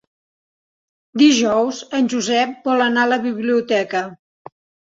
Dijous en Josep vol anar a la biblioteca.